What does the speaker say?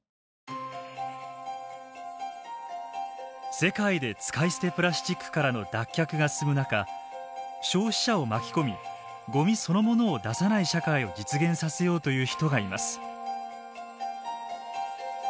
世界で使い捨てプラスチックからの脱却が進む中消費者を巻き込みごみそのものを出さない社会を実現させようという人がいます。